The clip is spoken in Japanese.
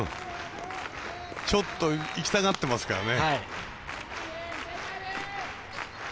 ちょっと行きたがってますからね。